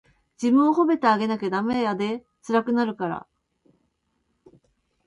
自分を褒めてあげなダメやで、つらくなるから。